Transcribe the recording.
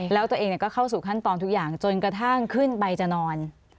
แล้วตัวเองก็เข้าสู่ขั้นตอนทุกอย่างจนกระทั่งขึ้นไปจะนอน